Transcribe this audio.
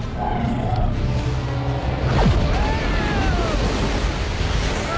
うわ！